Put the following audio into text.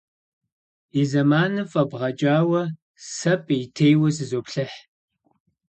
И зэманым фӏэбгъэкӏауэ, сэ пӏеутейуэ зызоплъыхь.